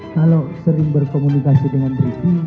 kalau sering berkomunikasi dengan ricky